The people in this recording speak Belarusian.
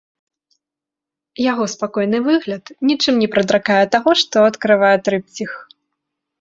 Яго спакойны выгляд нічым не прадракае таго, што адкрывае трыпціх.